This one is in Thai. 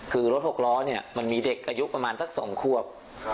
คือรถ๖ล้อเนี่ยมันมีเด็กอายุประมาณสัก๒ควบ